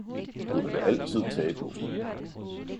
du kan altid tage bussen